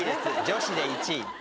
女子で１位。